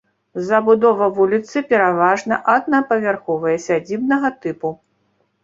Забудова вуліцы пераважна аднапавярховая сядзібнага тыпу.